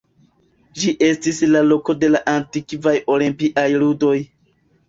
Ĝi estis la loko de la antikvaj olimpiaj ludoj.